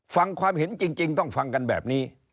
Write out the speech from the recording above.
ฟังความเห็นจริงต้องฟังกันแบบนี้